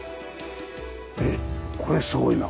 えっこれすごいな。